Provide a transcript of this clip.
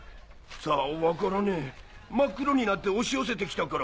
さぁ分からねえ真っ黒になって押し寄せてきたから。